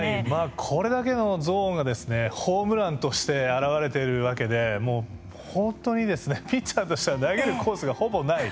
これだけのゾーンがホームランとして表れているわけでもう本当にピッチャーとしては投げるコースがほぼない。